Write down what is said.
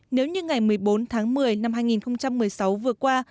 nếu như ngày một mươi bốn tháng một mươi năm hai nghìn một mươi sáu vừa qua